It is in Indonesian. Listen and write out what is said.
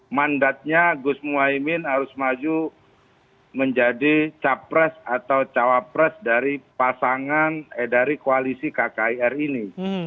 mandatnya gus muwaimin harus maju menjadi cawapres dari pasangan dari koalisi kkir ini